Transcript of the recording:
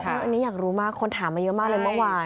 อันนี้อยากรู้มากคนถามมาเยอะมากเลยเมื่อวาน